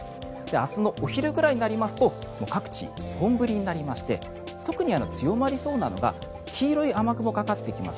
明日のお昼ぐらいになりますと各地本降りになりまして特に強まりそうなのが黄色い雨雲がかかってきます